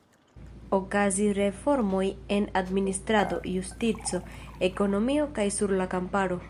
Okazis reformoj en administrado, justico, ekonomio kaj sur la kamparo.